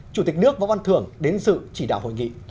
chủ tịch nước võ văn thưởng đến sự chỉ đạo hội nghị